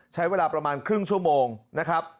ใช้เวลาประมาณครึ่งชั่วโมงนะครับ